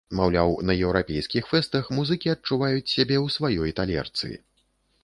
Маўляў, на еўрапейскіх фэстах музыкі адчуваюць сябе ў сваёй талерцы.